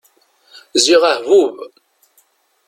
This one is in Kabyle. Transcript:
Ziɣ ahbub!